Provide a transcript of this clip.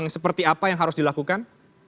seperti apa yang harus dilakukan